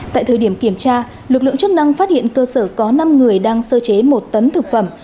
tại thời điểm kiểm tra lực lượng chức năng phát hiện cơ sở có năm người đang sơ chế một tấn thực phẩm